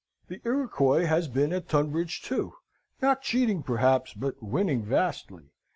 The Iroquois has been at Tunbridge, too not cheating, perhaps, but winning vastly.